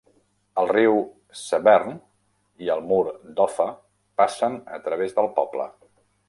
El riu Severn i el mur d'Offa passen a través del poble.